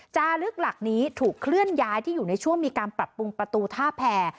จาลึกหลักนี้ถูกเคลื่อนย้ายที่อยู่ในช่วงมีการปรับปรุงประตูท่าแพร